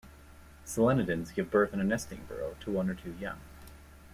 Solenodons give birth in a nesting burrow, to one or two young.